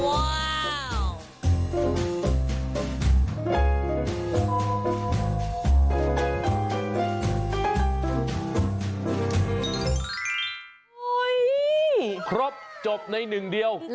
โอ้โหครบจบในหนึ่งเดียว